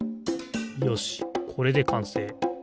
よしこれでかんせい。